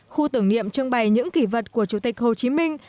khu tưởng niệm trưng bày những kỷ vật của chủ tịch hồ chí minh